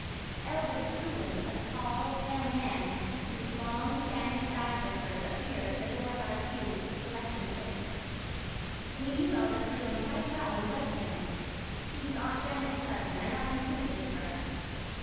Elder Frewen, a tall, pale man, with long, sandy side whiskers, appeared at the door of our pew with the collection plate. We knew Elder Frewen quite well and liked him; he was Aunt Janet's cousin and often visited her.